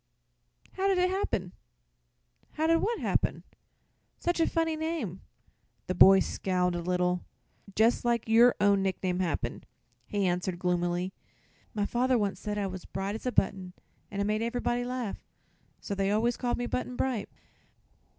"How did it happen?" "How did what happen?" "Such a funny name." The boy scowled a little. "Just like your own nickname happened," he answered gloomily. "My father once said I was bright as a button, an' it made ever'body laugh. So they always call me Button Bright."